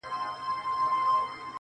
د ميني داغ ونه رسېدی.